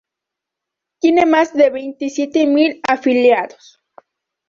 Tiene más de veintisiete mil afiliados.